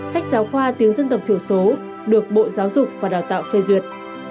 sách giáo khoa tiếng dân tộc thiểu số được bộ giáo dục và đào tạo phê duyệt